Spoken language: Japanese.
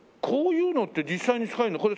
こういうのって実際に使えるの？